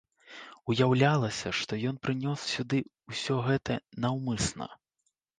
Уяўлялася, што ён прынёс сюды ўсё гэта наўмысна.